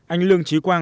anh lương trí quang